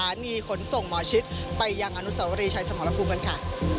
หนีขนส่งหมอชิดไปยังอนุสาวรีชัยสมรภูมิกันค่ะ